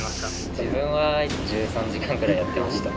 自分は１３時間くらいやってました。